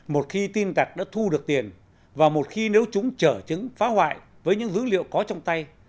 một khi tin tặc đã thu được tiền và một khi nếu chúng trở chứng phá hoại với những dữ liệu có trong tay